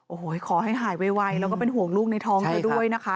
โอ้โหขอให้หายไวแล้วก็เป็นห่วงลูกในท้องเธอด้วยนะคะ